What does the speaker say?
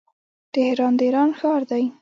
تهران د ايران ښار دی.